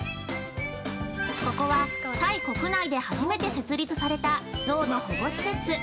◆ここは、タイ国内で、初めて設立された、象の保護施設。